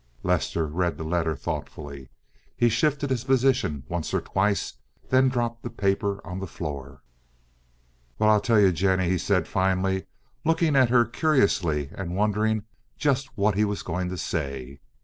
Lester read the letter thoughtfully. He shifted his position once or twice, then dropped the paper on the floor. "Well, I'll tell you, Jennie," he said finally, looking at her curiously and wondering just what he was going to say.